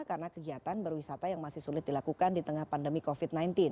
karena kegiatan berwisata yang masih sulit dilakukan di tengah pandemi covid sembilan belas